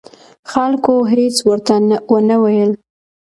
خلکو هېڅ ورته ونه ویل.